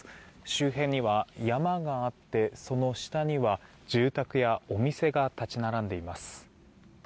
周辺には山があって、その下には住宅やお店が立ち並んでいます。